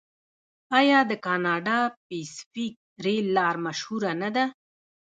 آیا د کاناډا پیسفیک ریل لار مشهوره نه ده؟